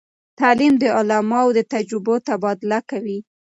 تعلیم د علماوو د تجربو تبادله کوي.